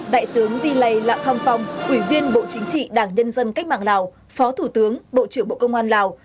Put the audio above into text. đại tướng vi lai lạng khăm phong ủy viên bộ chính trị đảng nhân dân cách mạng lào phó thủ tướng bộ trưởng bộ công an lào